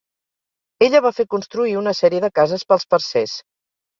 Ella va fer construir una sèrie de cases pels parcers.